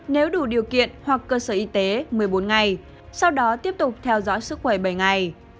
nếu đủ điều kiện hoặc cơ sở y tế một mươi bốn ngày sau đó tiếp tục theo dõi sức khỏe bảy ngày